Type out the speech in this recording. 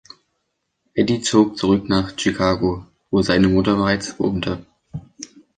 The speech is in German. Eddie zog zurück nach Chicago, wo seine Mutter bereits wohnte.